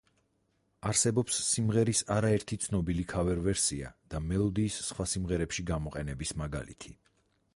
არსებობს სიმღერის არაერთი ცნობილი ქავერ-ვერსია და მელოდიის სხვა სიმღერებში გამოყენების მაგალითი.